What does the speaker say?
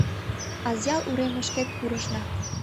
Азъял уремышкет пурышна